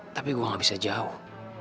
tapi gue gak bisa jauh